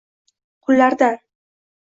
qullardan